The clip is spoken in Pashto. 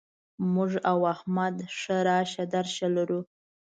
موږ او احمد ښه راشه درشه لرو.